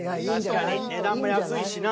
確かに値段も安いしな。